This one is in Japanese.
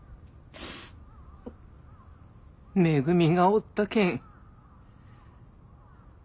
めぐみがおったけん。